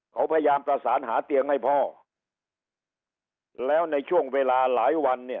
เขาพยายามประสานหาเตียงให้พ่อแล้วในช่วงเวลาหลายวันเนี่ย